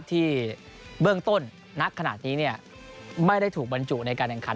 ที่เบื้องต้นณขณะนี้ไม่ได้ถูกบรรจุในการแข่งขัน